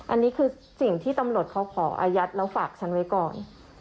อันนี้คือสิ่งที่ตำรวจเขาขออายัดแล้วฝากฉันไว้ก่อน